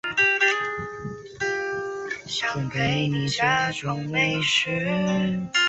让她哭了好几个月